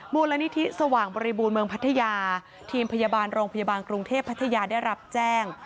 มูลนิธิสว่างบริบูรณ์เมืองพัทยาทีมพยาบาลโรงพยาบาลกรุงเทพพัทยาได้รับแจ้ง